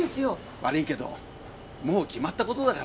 悪いけどもう決まったことだから。